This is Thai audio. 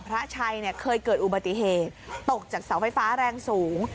พระชัยเนี่ยเคยเกิดอุบัติเหตุตกจากเสาไฟฟ้าแรงสูง